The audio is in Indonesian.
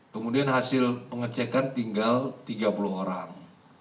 kemudian hasil pengecekan tinggal tiga puluh orang